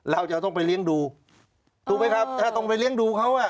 เราจะต้องไปเลี้ยงดูถูกไหมครับถ้าต้องไปเลี้ยงดูเขาอ่ะ